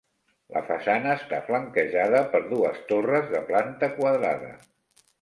La façana està flanquejada per dues torres de planta quadrada.